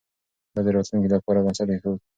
ده د راتلونکي لپاره بنسټ ايښود.